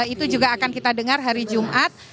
itu juga akan kita dengar hari jumat